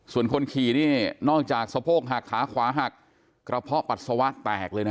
ส่วนคนขี่นี่นอกจากสะโพกหักขาขวาหักกระเพาะปัสสาวะแตกเลยนะ